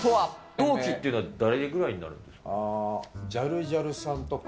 同期というのは誰ぐらいになるんですか？